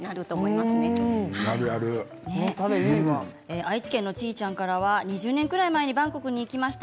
愛知県の方から２０年くらい前にバンコクに行きました。